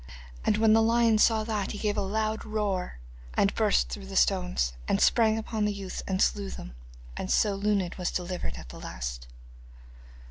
And when the lion saw that he gave a loud roar, and burst through the stones, and sprang upon the youths and slew them. And so Luned was delivered at the last.